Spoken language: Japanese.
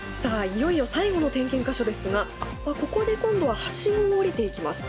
いよいよ最後の点検箇所ですがここで今度はハシゴを下りていきます。